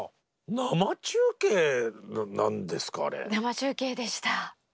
生中継でした。